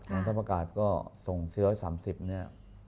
กองทัพอากาศก็ส่งเชื้อ๓๐เนี่ย